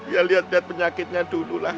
ya liat liat penyakitnya dulu lah